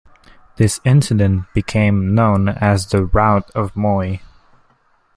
This incident became known as the "Rout of Moy".